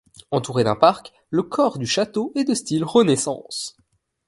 Entouré d'un parc, le corps du château est de style Renaissance.